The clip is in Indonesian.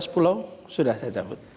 lima belas pulau sudah saya cabut